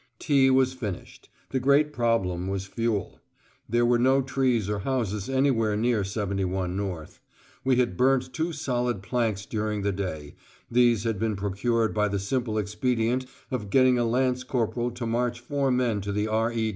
Tea was finished. The great problem was fuel. There were no trees or houses anywhere near 71 North. We had burnt two solid planks during the day; these had been procured by the simple expedient of getting a lance corporal to march four men to the R.E.